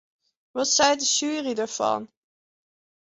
Wat seit de sjuery derfan?